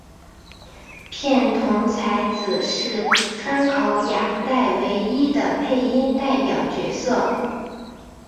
片桐彩子是川口雅代唯一的配音代表角色。